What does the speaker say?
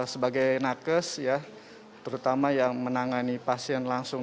sebagai nakes ya terutama yang menangani pasien langsung